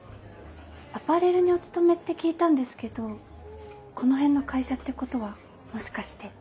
アパレルにお勤めって聞いたんですけどこの辺の会社ってことはもしかして。